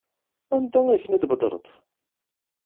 Anda ay tent-id-tbedreḍ?